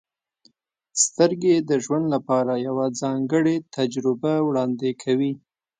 • سترګې د ژوند لپاره یوه ځانګړې تجربه وړاندې کوي.